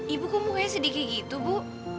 ibu kok mukanya sedih kayak gitu bu